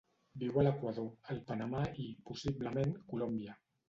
Viu a l'Equador, el Panamà i, possiblement, Colòmbia.